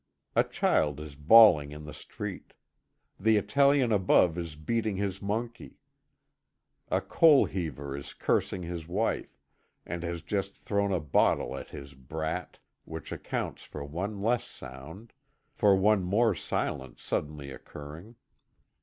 A child is bawling in the street. The Italian above is beating his monkey; a coal heaver is cursing his wife, and has just thrown a bottle at his brat, which accounts for one less sound, for one more silence suddenly occurring.